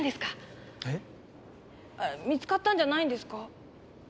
見つかったんじゃないんですか？